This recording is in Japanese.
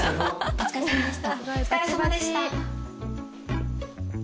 お疲れさまでした。